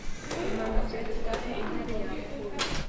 imanukire dutahe, intare yapfuye.